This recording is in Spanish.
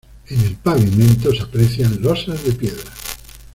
En el pavimento se aprecian losas de piedra.